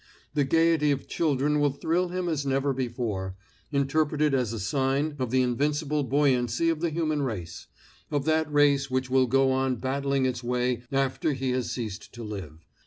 The gayety of children will thrill him as never before, interpreted as a sign of the invincible buoyancy of the human race, of that race which will go on battling its way after he has ceased to live.